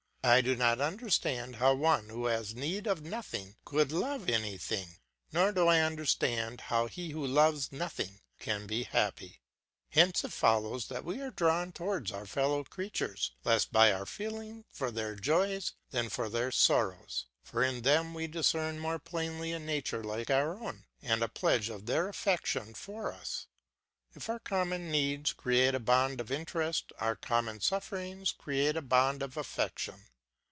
I do not understand how one who has need of nothing could love anything, nor do I understand how he who loves nothing can be happy. Hence it follows that we are drawn towards our fellow creatures less by our feeling for their joys than for their sorrows; for in them we discern more plainly a nature like our own, and a pledge of their affection for us. If our common needs create a bond of interest our common sufferings create a bond of affection.